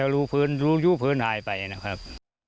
รู้ว่าเพื่อนหายไปนะครับ